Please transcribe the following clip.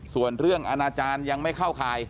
ส่วนเรื่องอาณาจารย์ยังไม่เข้าข่าย